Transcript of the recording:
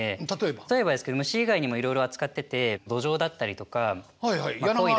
例えばですけど虫以外にもいろいろ扱っててドジョウだったりとかコイだったり。